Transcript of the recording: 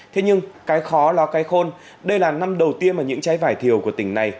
thế nhưng cái khó lo cái khôn đây là năm đầu tiên mà những trái vải thiều của tỉnh này